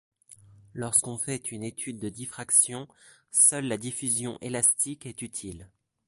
Lorsqu'on fait une étude de diffraction, seule la diffusion élastique est utile.